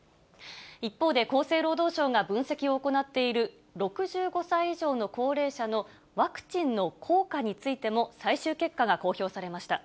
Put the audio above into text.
一方で、厚生労働省が分析を行っている６５歳以上の高齢者のワクチンの効果についても、最終結果が公表されました。